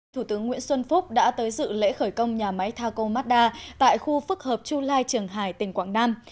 thủ tướng nguyễn xuân phúc đã tới dự lễ khởi công nhà máy taco mazda tại khu phức hợp chu lai trường hải tỉnh quảng nam